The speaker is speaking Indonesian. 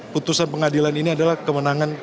putusan pengadilan ini adalah kewenangan